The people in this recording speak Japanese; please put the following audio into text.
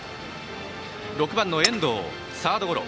６番の遠藤、サードゴロ。